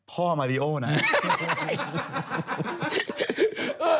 พ่อมาริโอนะ